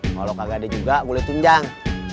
kalau kagak ada juga boleh tunjang